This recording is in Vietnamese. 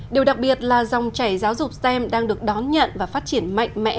điều đặc biệt là dòng chảy giáo dục stem đang được đón nhận và phát triển mạnh mẽ